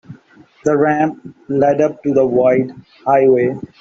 The ramp led up to the wide highway.